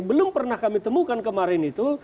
belum pernah kami temukan kemarin itu